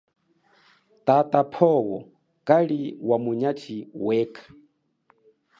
Tatapowo kali wa munyatshi weka.